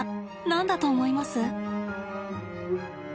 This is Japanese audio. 何だと思います？